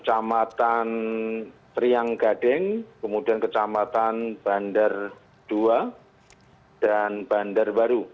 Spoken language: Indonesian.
kecamatan trianggading kemudian kecamatan bandar dua dan bandar baru